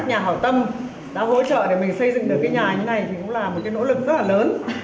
các nhà hỏi tâm đã hỗ trợ để mình xây dựng được cái nhà như này cũng là một nỗ lực rất là lớn